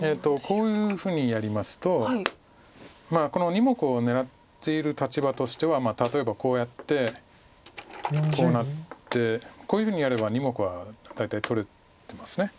こういうふうにやりますとこの２目を狙っている立場としては例えばこうやってこうなってこういうふうにやれば２目は大体取れてます。